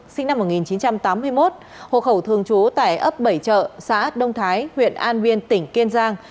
sinh năm một nghìn chín trăm tám mươi một hộ khẩu thường trú tại ấp bảy chợ xã đông thái huyện an biên tỉnh kiên giang